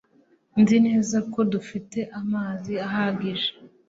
Nzi neza ko dufite amazi ahagije